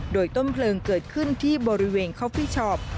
โดยต้นเพลิงเกิดขึ้นที่บริเวณคอฟฟี่ช็อป